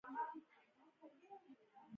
سوداګر باید څنګه وي؟